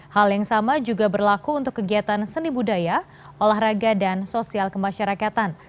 hal yang sama juga berlaku untuk kegiatan seni budaya olahraga dan sosial kemasyarakatan